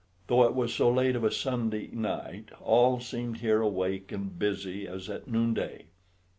Though it was so late of a Sunday night, all seemed here awake and busy as at noonday.